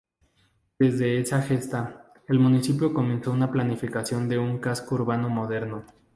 Desde esa gesta, el municipio comenzó una planificación de un casco urbano moderno.